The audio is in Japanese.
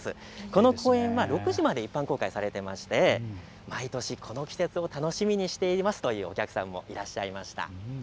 この公園は６時まで一般公開されていて毎年この季節を楽しみにしていますというお客さんもいらっしゃいました。